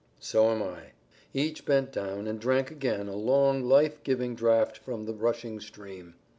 "So am I." Each bent down and drank again a long, life giving draught from the rushing stream.